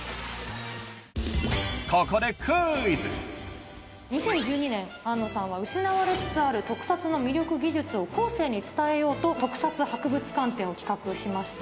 ここで２０１２年庵野さんは失われつつある特撮の魅力技術を後世に伝えようと「特撮博物館展」を企画しました。